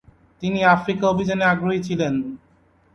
তিনি আফ্রিকা অভিযানে আগ্রহী ছিলেন।